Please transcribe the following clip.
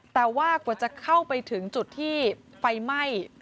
แต่ว่ากว่าจะเข้าไปถึงจุดที่ไฟไหม้